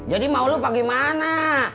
jadi mau lu apa gimana